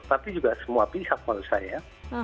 tapi juga semua pihak menurut saya